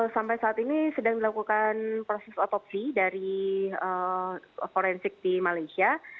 sampai saat ini sedang dilakukan proses otopsi dari forensik di malaysia